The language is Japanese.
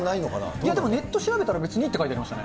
いや、でもネットで調べたら別にいいって書いてありましたね。